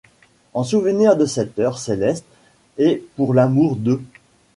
en souvenir de cette heure céleste et pour l’amour de…